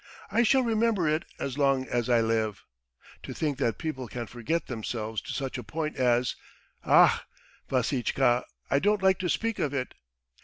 I shall remember it as long as I live! To think that people can forget themselves to such a point as ... ach, Vassitchka, I don't like to speak of it!